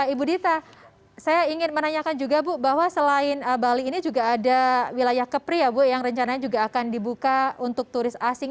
ibu dita saya ingin menanyakan juga bu bahwa selain bali ini juga ada wilayah kepri ya bu yang rencananya juga akan dibuka untuk turis asing